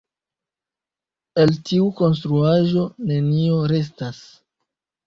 El tiu konstruaĵo, nenio restas.